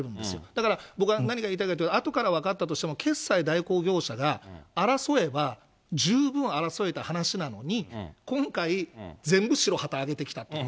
だから僕は何が言いたいかというと、あとから分かったとしても、決済代行業者が争えば、十分、争えた話なのに、今回、そうですね。